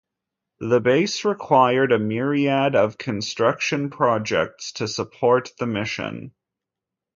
The base required a myriad of construction projects to support the mission.